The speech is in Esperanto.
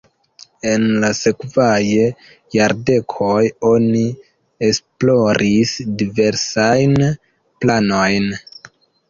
En la sekvaj jardekoj oni esploris diversajn planojn.